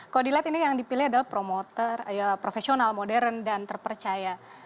kalau dilihat ini yang dipilih adalah promoter profesional modern dan terpercaya